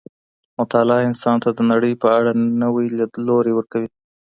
مطالعه انسان ته د نړۍ په اړه نوی ليدلوری ورکوي.